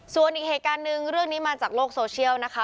ส่วนอีกเหตุการณ์หนึ่งเรื่องนี้มาจากโลกโซเชียลนะคะ